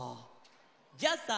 じゃあさ